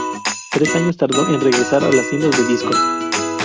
Tres años tardó en regresar a las tiendas de discos.